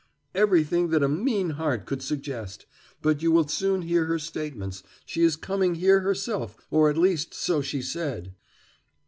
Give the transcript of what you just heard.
"Everything that a mean heart could suggest. But you will soon hear her statements. She is coming here herself, or, at least, so she said."